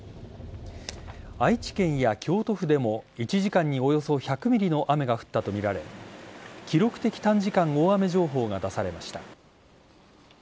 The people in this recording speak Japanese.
愛知県や京都府でも１時間におよそ１００ｍｍの雨が降ったとみられ記録的短時間大雨情報が出されました。